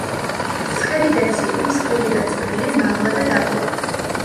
ცხელი და ცივი, მსხვილი და წვრილი, მაღლა და დაბლა.